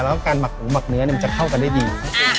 แล้วการหมักหมูหมักเนื้อมันจะเข้ากันได้ดี